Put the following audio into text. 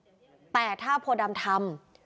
เมื่อวานหลังจากโพดำก็ไม่ได้ออกไปไหน